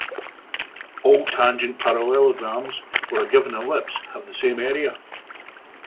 All tangent parallelograms for a given ellipse have the same area.